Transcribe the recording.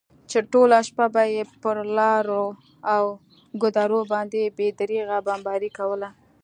چې ټوله شپه به یې پر لارو او ګودرو باندې بې درېغه بمباري کوله.